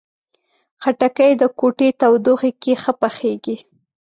خټکی د کوټې تودوخې کې ښه پخیږي.